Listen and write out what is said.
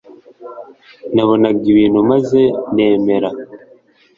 nabonaga ibintu maze nemera